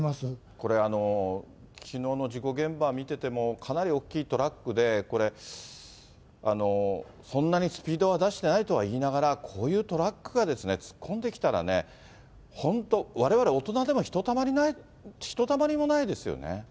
これ、きのうの事故現場見てても、かなり大きいトラックで、そんなにスピードは出してないとはいいながら、こういうトラックが突っ込んできたらね、本当、われわれ大人でもひとたまりもないですよね。